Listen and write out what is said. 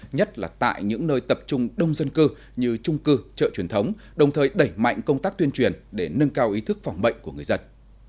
nhất là tại những nơi tập trung đông dân cư như trung cư chợ truyền thống đồng thời đẩy mạnh công tác tuyên truyền để nâng cao ý thức phòng bệnh của người dân